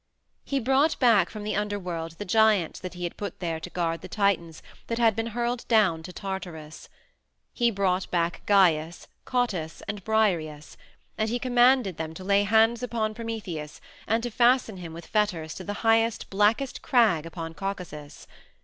He brought back from the Underworld the giants that he had put there to guard the Titans that had been hurled down to Tartarus. He brought back Gyes, Cottus, and Briareus, and he commanded them to lay hands upon Prometheus and to fasten him with fetters to the highest, blackest crag upon Caucasus.